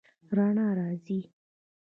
رڼا راځي